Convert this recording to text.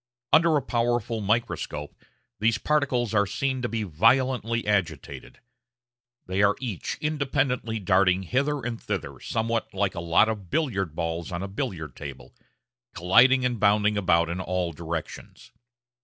Under a powerful microscope these particles are seen to be violently agitated; they are each independently darting hither and thither somewhat like a lot of billiard balls on a billiard table, colliding and bounding about in all directions.